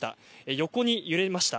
横に揺れました。